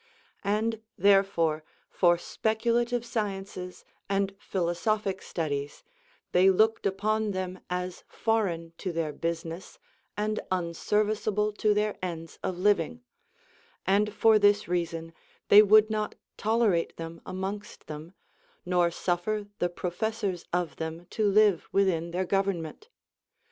And therefore for speculative sciences and philosophic studies, they looked upon them as foreign to their business and unserviceable to their ends of living, and for this reason they Avould not tolerate them amongst them, nor suffer the professors of them to live within their government.